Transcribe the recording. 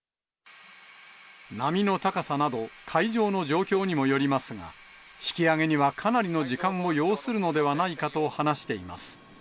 波の高さなど、海上の状況にもよりますが、引き揚げにはかなりの時間も要するのではないかと話しています。